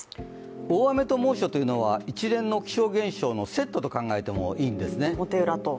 大雨と猛暑というのは一連の気象情報のセットと考えていいんですね。